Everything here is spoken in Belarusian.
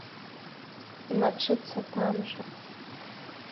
І мачыцца там жа.